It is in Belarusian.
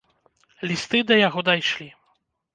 Лісты да яго дайшлі.